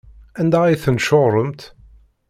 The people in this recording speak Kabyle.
Anda ay tent-tcuṛɛemt?